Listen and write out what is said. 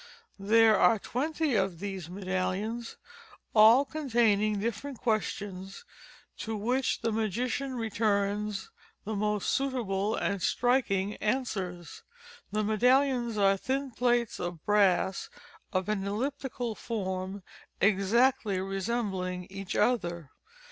There are twenty of these medallions, all containing different questions, to which the magician returns the most suitable and striking answers. The medallions are thin plates of brass, of an elliptical form, exactly resembling each other.